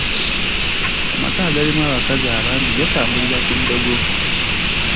Amaka agalimu abakazi abangi gatambulira ku ddogo.